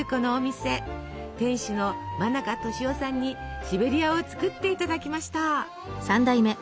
店主の馬中俊夫さんにシベリアを作っていただきました。